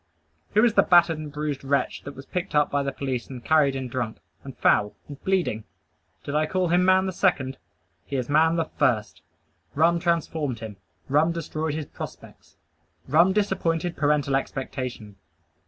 Who is the battered and bruised wretch that was picked up by the police and carried in drunk, and foul, and bleeding? Did I call him man the second? He is man the first! Rum transformed him. Rum destroyed his prospects. Rum disappointed parental expectation.